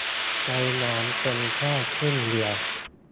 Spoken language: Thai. ในร้านเต็มแค่ครึ่งเดียว